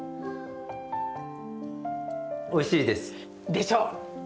おいしいです。でしょ？